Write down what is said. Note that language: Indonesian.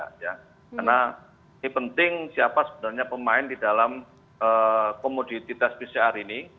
karena ini penting siapa sebenarnya pemain di dalam komoditas pcr ini